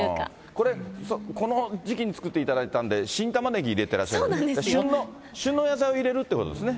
これ、この時期に作っていただいたんで、新玉ねぎ入れてらっしゃると、旬の野菜を入れるってことですね。